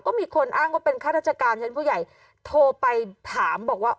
ก็มีคนอ้างว่าเป็นข้าราชการชั้นผู้ใหญ่โทรไปถามบอกว่า